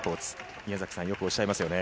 みやざきさん、よくおっしゃいますよね。